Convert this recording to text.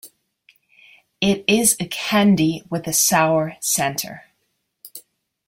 It is a candy with a sour centre.